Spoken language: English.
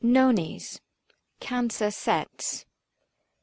NONES. CANCER SETS.